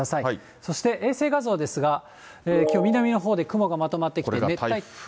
そして衛星画像ですが、きょう、南のほうで雲がまとまってきて熱帯。